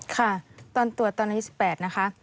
ค่ะตอนตรวจตอนนี้๑๘นะคะ